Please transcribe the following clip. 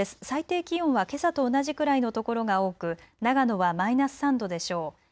最低気温はけさと同じくらいの所が多く長野はマイナス３度でしょう。